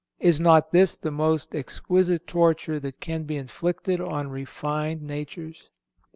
Is not this the most exquisite torture that can be inflicted on refined natures?